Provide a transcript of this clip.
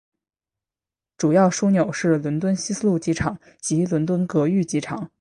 主要枢纽是伦敦希斯路机场及伦敦格域机场。